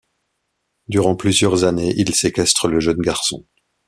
Durant plusieurs années, il séquestre le jeune garçon...